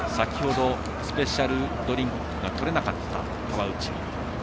先ほどスペシャルドリンクが取れなかった、川内。